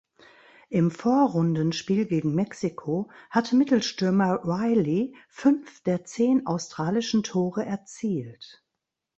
Im Vorrundenspiel gegen Mexiko hatte Mittelstürmer Riley fünf der zehn australischen Tore erzielt.